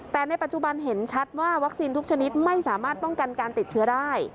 แต่ในปัจจุบันเห็นชัดว่าวัคซีนทุกชนิดไม่สามารถป้องกันการติดเชื้อได้